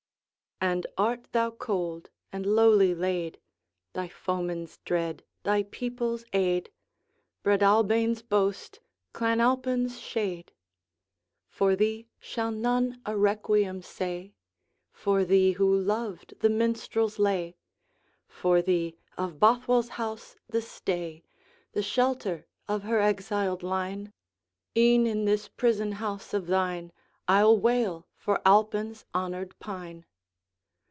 'And art thou cold and lowly laid, Thy foeman's dread, thy people's aid, Breadalbane's boast, Clan Alpine's shade! For thee shall none a requiem say? For thee, who loved the minstrel's lay, For thee, of Bothwell's house the stay, The shelter of her exiled line, E'en in this prison house of thine, I'll wail for Alpine's honored Pine!